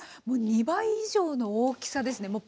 もう２倍以上の大きさですね。